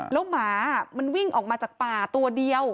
แล้วหมามันวิ่งออกมาจากป่าตัวเดียว